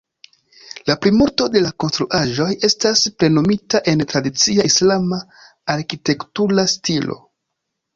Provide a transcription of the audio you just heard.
La plimulto de la konstruaĵoj estas plenumita en tradicia islama arkitektura stilo.